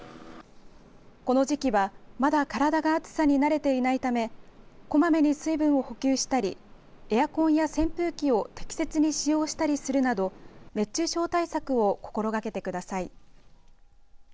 この時期はまだ体が暑さに慣れていないためこまめに水分を補給したりエアコンや扇風機を適切に使用したりするなど熱中症対策を心がけてください。